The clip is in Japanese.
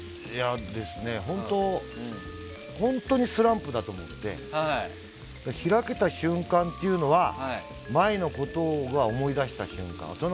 本当にスランプだと思って開けた瞬間というのは前のことを思い出した瞬間。